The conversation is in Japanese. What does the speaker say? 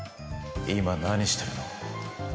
今何してるの？